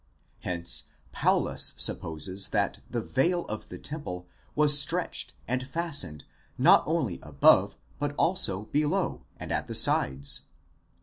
Hence Paulus supposes that the veil of the temple was stretched and fastened not only above but also below and at: the sides.